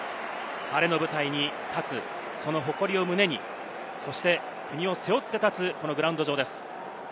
晴れの舞台に立つ、その誇りを胸に、そして国を背負って立つこのグラウンド上です。